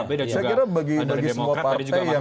dari demokrat tadi juga abbas sudah tegaskan itu ya